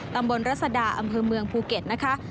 รัศดาอำเภอเมืองภูเก็ตนะคะ